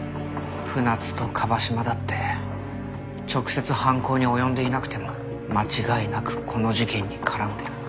船津と椛島だって直接犯行に及んでいなくても間違いなくこの事件に絡んでる。